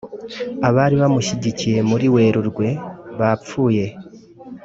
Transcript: abari bamushyigikiye muri Werurwe bapfuye